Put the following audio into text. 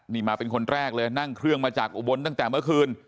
นี่มาเป็นคนแรกเลยนั่งเครื่องมาจากอุบลตั้งแต่เมื่อคืน